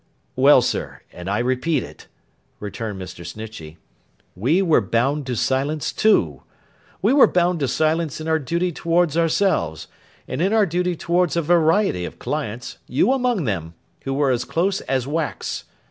'Well, sir, and I repeat it,' returned Mr. Snitchey, 'we were bound to silence too. We were bound to silence in our duty towards ourselves, and in our duty towards a variety of clients, you among them, who were as close as wax.